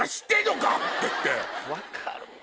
分かるわ。